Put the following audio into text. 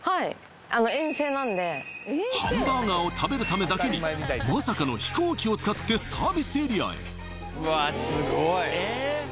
ハンバーガーを食べるためだけにまさかの飛行機を使ってサービスエリアへうわすごいえ？